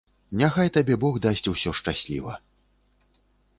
Няхай табе бог дасць усё шчасліва.